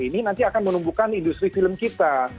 ini nanti akan menumbuhkan industri film kita